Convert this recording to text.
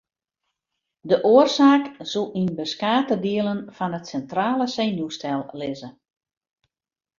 De oarsaak soe yn beskate dielen fan it sintrale senuwstelsel lizze.